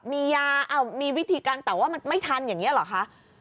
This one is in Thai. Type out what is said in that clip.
มียามีวิธีการแต่ว่ามันไม่ทันอย่างนี้หรอคะ